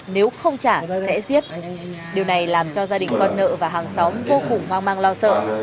nếu không trả sẽ giết điều này làm cho gia đình con nợ và hàng xóm vô cùng hoang mang lo sợ